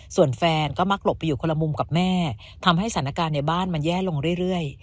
ส่วนแฟนก็มักหลบไปอยู่คนละมุมกับแม่ทำให้สถานการณ์ในบ้านมันแย่ลงเรื่อย